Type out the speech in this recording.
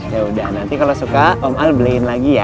yaudah nanti kalau suka om al beliin lagi ya